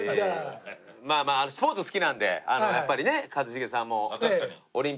まあまあスポーツ好きなんでやっぱりね一茂さんも。